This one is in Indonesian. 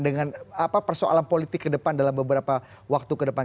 dengan apa persoalan politik ke depan dalam beberapa waktu ke depan